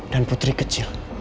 dan putri kecil